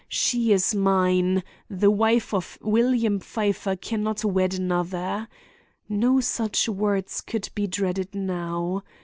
She is mine! The wife of William Pfeiffer can not wed another!' No such words could be dreaded now.